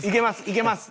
行けます！